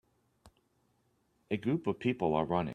A group of people are running.